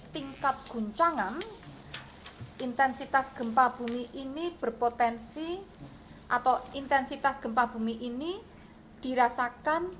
tingkat guncangan intensitas gempa bumi ini berpotensi atau intensitas gempa bumi ini dirasakan